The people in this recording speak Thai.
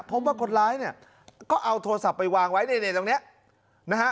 พบว่าคนร้ายเนี่ยก็เอาโทรศัพท์ไปวางไว้เนี่ยตรงนี้นะฮะ